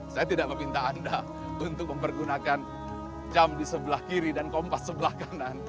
saya tidak meminta anda untuk mempergunakan jam di sebelah kiri dan kompas sebelah kanan